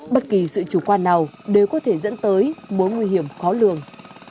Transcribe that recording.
bất kỳ sự chủ quan nào đều có thể dẫn tới mối nguy hiểm khó lường